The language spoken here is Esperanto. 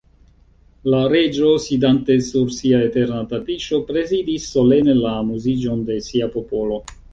La Reĝo, sidante sur sia eterna tapiŝo, prezidis solene la amuziĝon de sia popolo.